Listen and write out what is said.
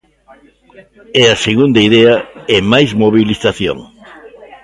E a segunda idea é máis mobilización.